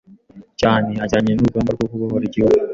cyane ajyanye n’urugamba rwo kubohora igihugu,